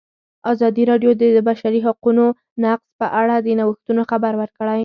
ازادي راډیو د د بشري حقونو نقض په اړه د نوښتونو خبر ورکړی.